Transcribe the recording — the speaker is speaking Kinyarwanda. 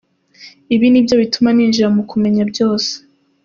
Ibi nibyo bituma ninjira mu kumenya byose.